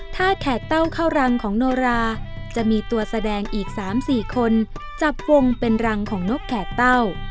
ถ้าแขกเต้าเข้ารังของโนราจะมีตัวแสดงอีก๓๔คนจับวงเป็นรังของนกแขกเต้า